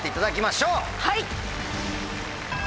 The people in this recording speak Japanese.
はい！